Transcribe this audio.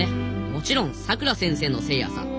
もちろんさくら先生のせいやさ。